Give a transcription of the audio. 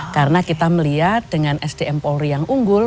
karena kita melihat dengan sdm polri yang unggul